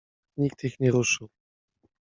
Nikt ich nie ruszył.